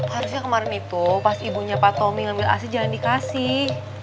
harusnya kemarin itu pas ibunya pak tommy ngambil asi jangan dikasih